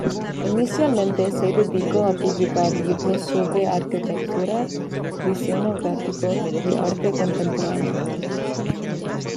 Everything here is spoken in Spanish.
Inicialmente se dedicó a publicar libros sobre arquitectura, diseño gráfico y arte contemporáneo.